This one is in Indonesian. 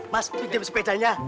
mas pinjam sepedanya